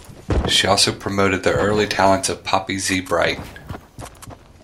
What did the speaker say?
She also promoted the early talents of Poppy Z. Brite.